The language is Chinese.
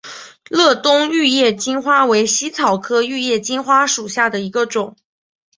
乐东玉叶金花为茜草科玉叶金花属下的一个种。